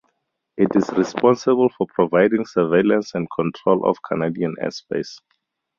It is responsible for providing surveillance and control of Canadian airspace.